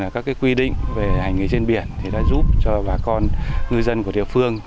các quy định về hành nghề trên biển đã giúp cho bà con ngư dân của địa phương